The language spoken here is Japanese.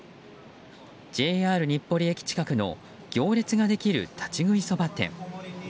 ＪＲ日暮里駅近くの行列ができる立ち食いそば店。